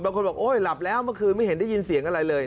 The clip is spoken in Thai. บางคนบอกโอ๊ยหลับแล้วเมื่อคืนไม่เห็นได้ยินเสียงอะไรเลย